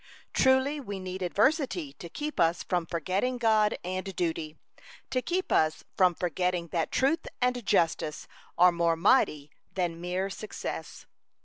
Truly we need adversity to keep us from forgetting God and duty; to keep us from forgetting that truth and justice are more mighty than mere success.